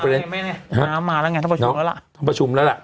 มาแล้วไงท่านประชุมแล้วล่ะท่านประชุมแล้วล่ะ